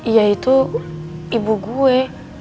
yaitu ibu gue